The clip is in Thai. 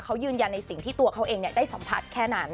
เขายืนยันในสิ่งที่ตัวเขาเองได้สัมผัสแค่นั้น